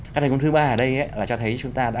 các thành công thứ ba ở đây là cho thấy chúng ta đã